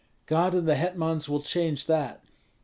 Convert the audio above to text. "God and the hetmans will change that."